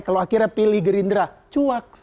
kalau akhirnya pilih gerindra cuak